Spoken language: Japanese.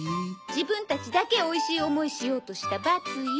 自分たちだけおいしい思いしようとした罰よ。